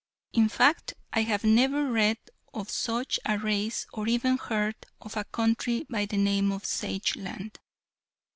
In fact I have never read of such a race or even heard of a country by the name of Sageland."